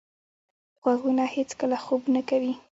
غوږونه هیڅکله خوب نه کوي.